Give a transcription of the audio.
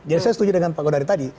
jadi saya setuju dengan pak godari tadi